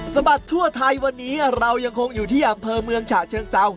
บัดทั่วไทยวันนี้เรายังคงอยู่ที่อำเภอเมืองฉะเชิงเซา